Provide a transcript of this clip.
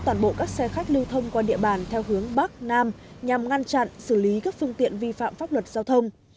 toàn bộ các xe khách lưu thông qua địa bàn theo hướng bắc nam nhằm ngăn chặn xử lý các phương tiện vi phạm pháp luật giao thông